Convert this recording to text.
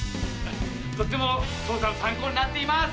とっても捜査の参考になっています！